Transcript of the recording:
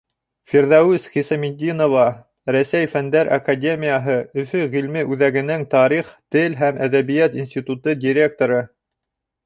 Фирҙәүес ХИСАМИТДИНОВА, Рәсәй Фәндәр академияһы Өфө ғилми үҙәгенең Тарих, тел һәм әҙәбиәт институты директоры: